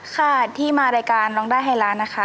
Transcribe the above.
ค่ะที่มารายการร้องได้ให้ร้านนะคะ